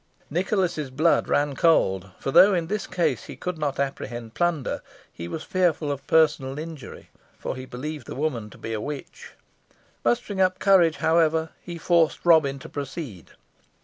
Nicholas's blood ran cold, for though in this case he could not apprehend plunder, he was fearful of personal injury, for he believed the woman to be a witch. Mustering up courage, however, he forced Robin to proceed.